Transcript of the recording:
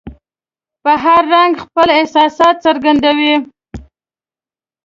په هر رنګ خپل احساسات څرګندوي.